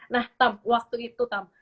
nah tam waktu itu tam